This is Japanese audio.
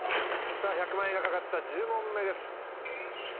さぁ１００万円が懸かった１０問目です。